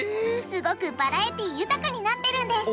すごくバラエティー豊かになってるんです！